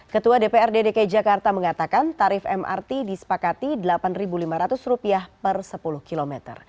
ketua dprd dki jakarta mengatakan tarif mrt disepakati rp delapan lima ratus per sepuluh km